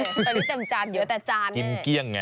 ตอนนี้จำจานเยอะแต่จานแน่จิ้มเกี้ยงไง